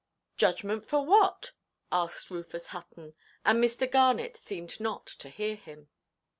"Judgment for what?" asked Rufus Hutton, and Mr. Garnet seemed not to hear him.